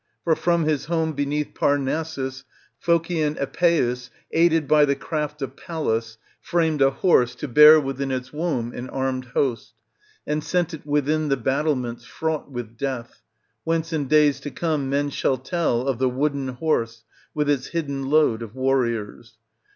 For, from his home beneath Parnassus, Phocian Epeus, aided by the craft of Pallas, framed a horse to bear within its womb an armed host, and sent it within the battle ments, fraught with death ; whence in days to come men shall tell of " The wooden horse," with its hidden load of warriors.